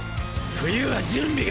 冬は準備が。